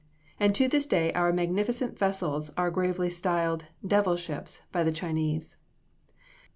And to this day our magnificent vessels are gravely styled "devil ships" by the Chinese.